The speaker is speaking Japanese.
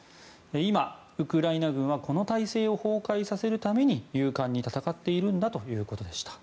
今、ウクライナ軍はこの体制を崩壊させるために勇敢に戦っているんだということでした。